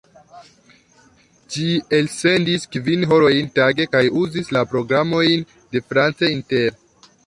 Ĝi elsendis kvin horojn tage kaj uzis la programojn de France Inter.